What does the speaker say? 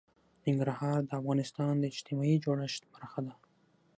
ننګرهار د افغانستان د اجتماعي جوړښت برخه ده.